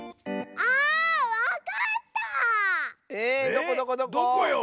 どこどこどこ⁉えどこよ？